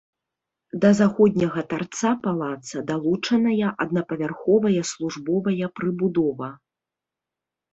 Да заходняга тарца палаца далучаная аднапавярховая службовая прыбудова.